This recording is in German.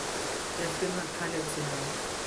Der Film hat keinen Erzähler.